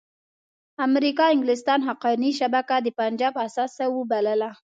امریکا او انګلستان حقاني شبکه د پنجاب اثاثه وبلله.